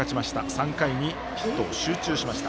３回にヒットを集中しました。